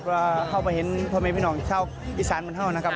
เพราะว่าเข้าไปเห็นพี่น้องเช่าอีสานมันเข้านะครับ